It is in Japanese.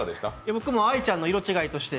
僕も愛ちゃんの色違いとして。